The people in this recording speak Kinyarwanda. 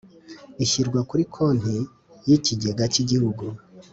Ishyirwa kuri konti y ikigega cy igihugu